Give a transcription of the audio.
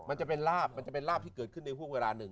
มันจะเป็นลาบมันจะเป็นลาบที่เกิดขึ้นในห่วงเวลาหนึ่ง